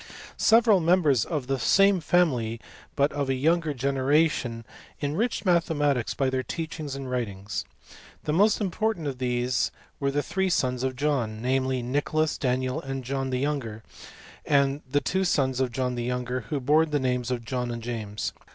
Several members of the same family, but of a younger generation, enriched mathematics by their teaching and writings. The most important of these were the three sons of John ; namely, Nicholas, Daniel, and John the younger ; and the two sons of John the younger, who bore the names of John and James.